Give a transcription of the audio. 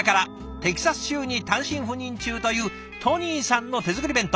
テキサス州に単身赴任中というＴＯＮＹさんの手作り弁当。